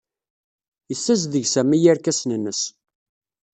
Yessazdeg Sami irkasen-nnes.